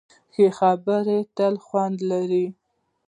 ښه خبره تل خوند لري.